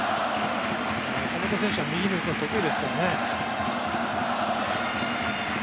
岡本選手は右に打つのが得意ですからね。